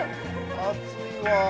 暑いわ。